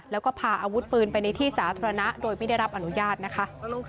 แล้วก็พาอาวุธปืนไปในที่สาธารณะโดยไม่ได้รับอนุญาตนะคะ